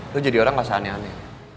lo jadi orang gak seane ane